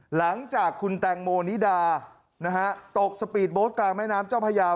หลังจากคุณแตงโมนิดานะฮะตกสปีดโบ๊ทกลางแม่น้ำเจ้าพญา